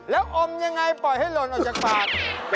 แล้วอมยังไงปล่อยให้หล่นออกจากปาก